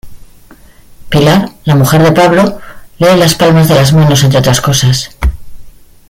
Pilar, la mujer de Pablo, lee las palmas de las manos entre otras cosas.